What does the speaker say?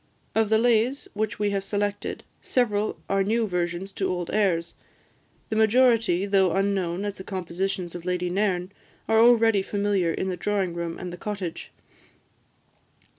Of the lays which we have selected, several are new versions to old airs; the majority, though unknown as the compositions of Lady Nairn, are already familiar in the drawing room and the cottage.